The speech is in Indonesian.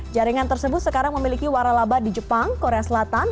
jaringan tersebut sekarang memiliki waralaba di jepang korea selatan